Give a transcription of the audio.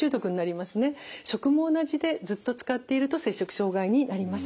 食も同じでずっと使っていると摂食障害になります。